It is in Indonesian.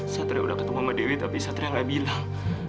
satria udah ketemu mama dewi tapi satria gak bilang